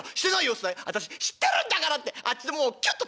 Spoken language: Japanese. っつったら『私知ってるんだから！』ってあっちのももをキュッと。